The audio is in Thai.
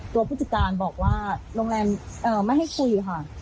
ผู้จัดการบอกว่าโรงแรมไม่ให้คุยค่ะ